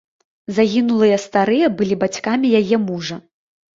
Загінулыя старыя былі бацькамі яе мужа.